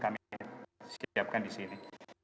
kami siapkan di sini